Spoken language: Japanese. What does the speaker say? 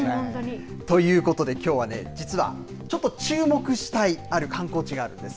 ということできょうはね、実はちょっと注目したいある観光地があるんです。